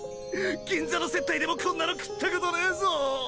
銀座の接待でもこんなの食ったことねぇぞ。